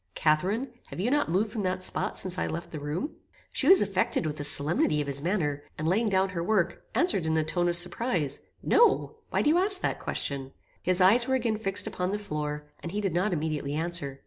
"Catharine, have you not moved from that spot since I left the room?" She was affected with the solemnity of his manner, and laying down her work, answered in a tone of surprise, "No; Why do you ask that question?" His eyes were again fixed upon the floor, and he did not immediately answer.